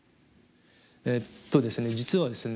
えっとですね実はですね